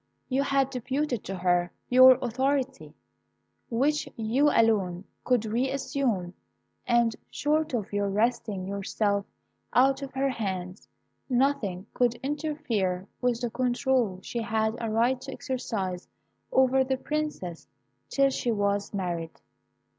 You had deputed to her your authority, which you alone could re assume, and short of your wresting her yourself out of her hands, nothing could interfere with the control she had a right to exercise over the Princess till she was married.